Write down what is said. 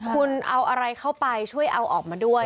คุณเอาอะไรเข้าไปช่วยเอาออกมาด้วย